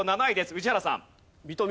宇治原さん。